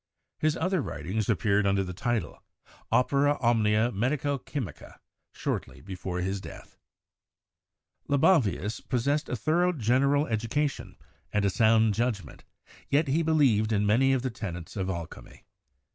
His other writings ap peared under the title, 'Opera Omnia Medico chymica' shortly before his death. Libavius possessed a thoro general education and a sound judgment, yet he believed in many of the tenets of alchemy.